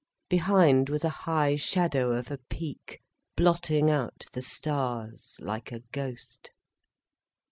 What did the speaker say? Behind, was a high shadow of a peak, blotting out the stars, like a ghost.